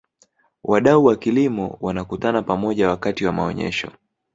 wadau wa kilimo wanakutana pamoja wakati wa maonyesho